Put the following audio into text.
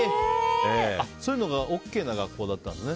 そういうのがＯＫな学校だったんですね。